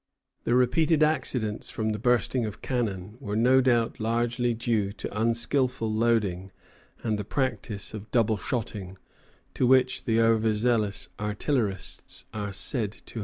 The repeated accidents from the bursting of cannon were no doubt largely due to unskilful loading and the practice of double shotting, to which the over zealous artillerists are said to have often resorted.